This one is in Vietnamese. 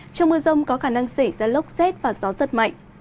trong mưa rông có khả năng xảy ra lốc xét và gió rất mạnh